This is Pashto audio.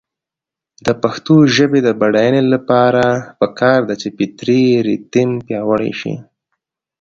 د پښتو ژبې د بډاینې لپاره پکار ده چې فطري ریتم پیاوړی شي.